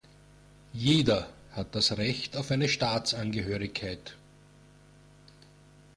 Jeder hat das Recht auf eine Staatsangehörigkeit.